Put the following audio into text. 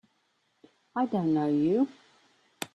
I don't know you!